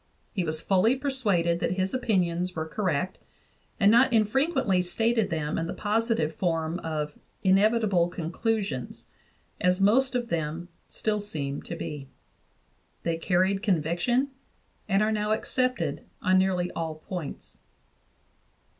He was fully persuaded that his opinions were correct, and not infrequently stated them in the positive form of "inevitable conclusions," as most of them still seem to be. They carried conviction and are now accepted on nearly all points.